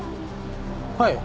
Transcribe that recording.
はい。